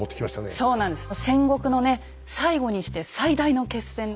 そうなんですよね。